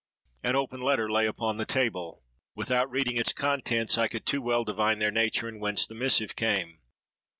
An open letter lay upon the table:—without reading its contents I could too well divine their nature and whence the missive came.